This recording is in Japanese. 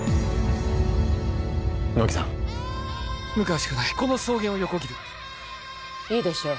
乃木さん向かうしかないこの草原を横切るいいでしょう